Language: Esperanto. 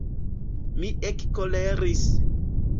Mi ekkoleris.